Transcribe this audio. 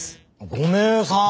ごめいさん！